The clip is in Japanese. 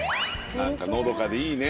何かのどかでいいね。